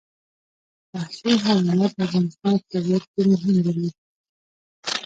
وحشي حیوانات د افغانستان په طبیعت کې مهم رول لري.